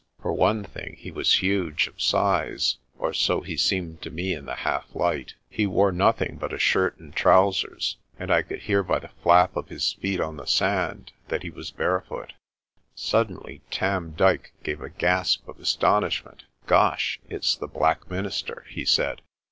For one thing he was huge of size, or so he seemed to me in the half light. He wore nothing but a shirt and trousers, and I could hear by the flap of his feet on the sand that he was barefoot. Suddenly Tarn Dyke gave a gasp of astonishment. "Gosh, it's the black minister! '' he said.